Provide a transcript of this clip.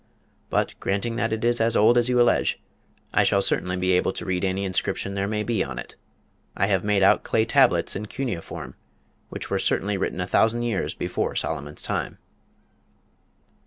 But, granting that it is as old as you allege, I shall certainly be able to read any inscription there may be on it. I have made out clay tablets in Cuneiform which were certainly written a thousand years before Solomon's time."